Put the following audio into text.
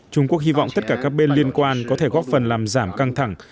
trung quốc hy vọng tất cả các bên liên quan có thể góp phần làm giảm căng thẳng